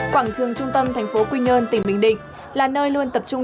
quảng trường trung tâm thành phố quy nhơn tỉnh bình định là nơi luôn tập trung